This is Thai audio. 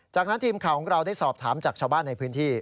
จากนั้นทีมข่าวของเราได้สอบถามจากชาวบ้านในพื้นที่